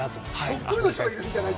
そっくりの人がいるんじゃない？